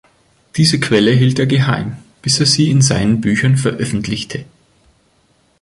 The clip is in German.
Diese Quelle hielt er geheim, bis er sie in seinen Büchern veröffentlichte.